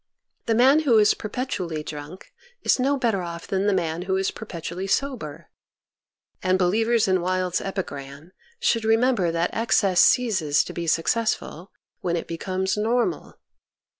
The man who is perpetually drunk is no better off than the man who is perpetually sober, and believers in Wilde's epigram should re member that excess ceases to be successful when it becomes normal.